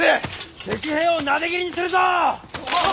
敵兵をなで斬りにするぞ！はっ。